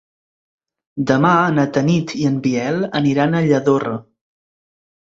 Demà na Tanit i en Biel aniran a Lladorre.